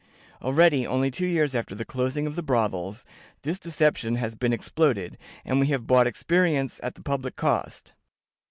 Already, only two years after the closing of the brothels, this deception has been exploded, and we have bought experience at the public cost.